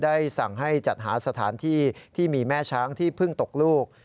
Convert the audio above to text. ได้สั่งให้จัดหาสถานที่ที่มีแม่ช้างที่เพิ่งตกลูก